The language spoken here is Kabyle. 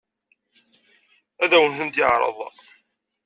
Ad awen-tent-yeɛṛeḍ?